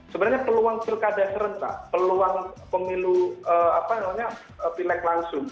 sebenarnya peluang perkadaan serentak peluang pemilu pilih langsung